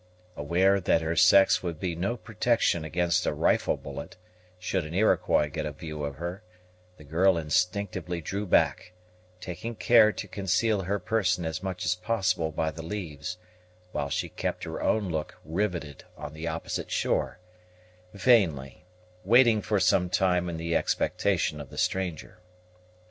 Aware that her sex would be no protection against a rifle bullet, should an Iroquois get a view of her, the girl instinctively drew back, taking care to conceal her person as much as possible by the leaves, while she kept her own look riveted on the opposite shore, vainly waiting for some time in the expectation of the stranger.